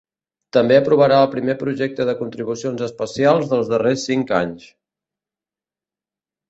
També aprovarà el primer projecte de contribucions especials dels darrers cinc anys.